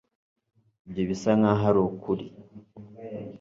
Ibyo bisa nkaho ari ukuri